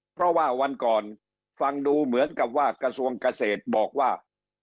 เพราะว่าวันก่อนฟังดูเหมือนกับว่ากระทรวงเกษตรบอกว่า